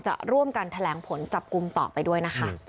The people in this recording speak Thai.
จะร่วมกันแถลงผลจับกลุ่มต่อไปด้วยนะคะ